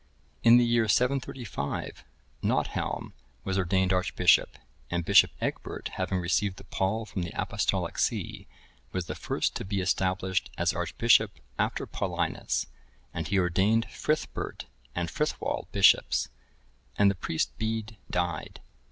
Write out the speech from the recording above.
In the year 735, Nothelm was ordained archbishop; and bishop Egbert, having received the pall from the Apostolic see, was the first to be established as archbishop(1060) after Paulinus, and he ordained Frithbert,(1061) and Frithwald(1062) bishops; and the priest Bede died.